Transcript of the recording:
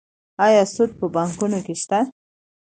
آیا سود په بانکونو کې شته؟